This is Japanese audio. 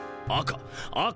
赤。